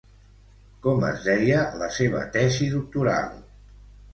Com es deia la seva tesi doctoral?